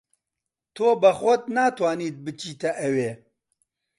تۆ بە خۆت ناتوانیت بچیتە ئەوێ.